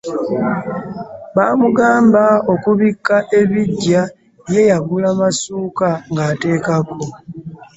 Baamugamba okubikka ebiggya, ye yagula masuuka ng’ateekako.